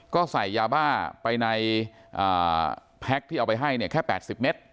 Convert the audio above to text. ก็ใส่ยาบ้าไปในแพ็คที่เอาไปให้เนี่ยแค่๘๐เมตร